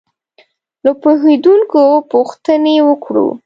له پوهېدونکو پوښتنې وکړو.